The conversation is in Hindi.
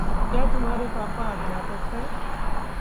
क्या तुम्हारे पापा अध्यापक हैं?